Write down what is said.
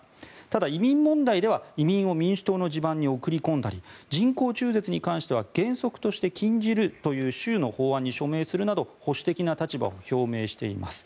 ただ、移民問題では移民を民主党の地盤に送り込んだり人工中絶に関しては原則として禁じるという州の法案に署名するなど保守的な立場を表明しています。